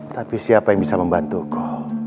tapi siapa yang bisa membantuku